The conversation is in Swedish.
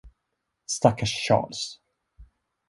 Stackars Charles!